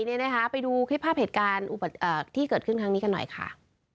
กลับไปดูภาพเหตุการณ์ที่เกิดขึ้นครั้งนี้กันหน่อยค่ะ